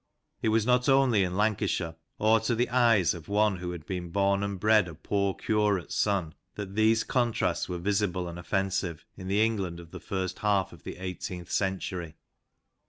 It was not only in Lancashire, or to the eyes of one who had been born and bred a poor curate's son, that these contrasts were visible and offensive in the England of the first half of the eighteenth century.